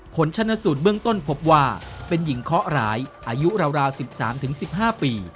ผลชนสูตรเบื้องต้นพบว่าเป็นหญิงเคาะร้ายอายุราว๑๓๑๕ปี